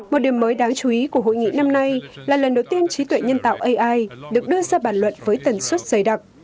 một điểm mới đáng chú ý của hội nghị năm nay là lần đầu tiên trí tuệ nhân tạo ai được đưa ra bàn luận với tần suất dày đặc